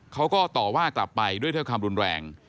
เขาก็ต่อว่ากลับไปด้วยเท่าคำรุนแรง